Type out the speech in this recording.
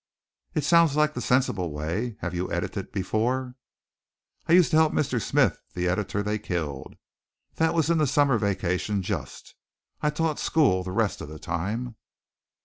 "It sounds like the sensible way. Have you edited before?" "I used to help Mr. Smith, the editor they killed. That was in the summer vacation, just. I taught school the rest of the time."